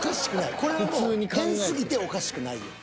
これはもう変すぎておかしくないよ。